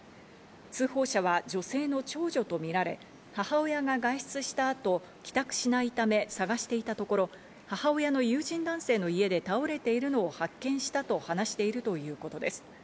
通報者は女性の長女とみられ、母親が外出した後、帰宅しないため探していたところ、母親の友人男性の家で倒れているのを発見したと話しているということです。